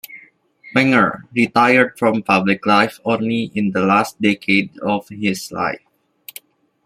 Wegner retired from public life only in the last decade of his life.